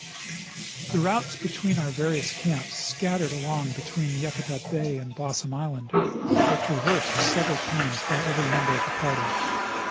The routes between our various camps, scattered along between Yakutat bay and Blossom islancl, were traversed several times by every member of the party.